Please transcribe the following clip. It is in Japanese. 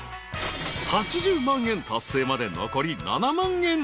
［８０万円達成まで残り７万円。